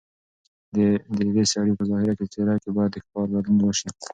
ددې سړي په ظاهري څېره کې باید د ښکاري بدلون راشي.